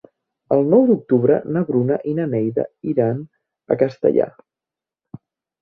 El nou d'octubre na Bruna i na Neida iran a Castalla.